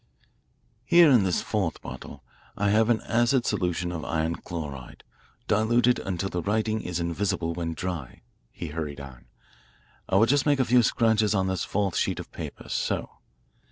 "Here in this fourth bottle I have an acid solution of iron chloride, diluted until the writing is invisible when dry," he hurried on. "I will just make a few scratches on this fourth sheet of paper so.